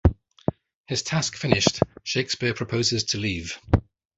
His task finished, Shakespeare proposes to leave.